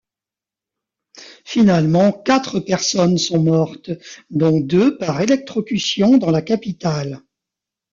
Finalement quatre personnes sont mortes, dont deux par électrocution dans la capitale.